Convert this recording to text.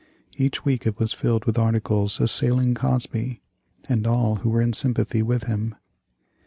Each week it was filled with articles assailing Cosby, and all who were in sympathy with him.